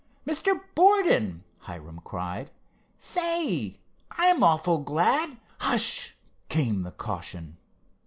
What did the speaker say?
"Mr. Borden!" Hiram cried. "Say, I'm awful glad——" "Hush!" came the caution.